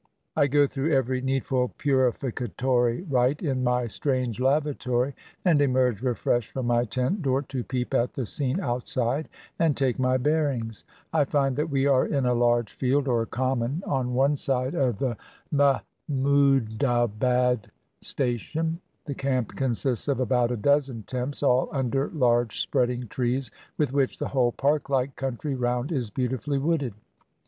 I go through every needful purificatory rite in my strange lavatory, and emerge refreshed from my tent door to peep at the scene outside and take my bearings. I find that we are in a large field or common, on one side 224 CAMP LIFE IN INDIA of the Mehmoodabad station. The camp consists of about a dozen tents, all under large spreading trees, with which the whole park like country round is beautifully wooded.